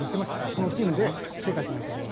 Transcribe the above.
このチームで世界一になりたいと。